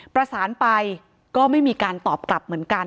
ประสานไปก็ไม่มีการตอบกลับเหมือนกัน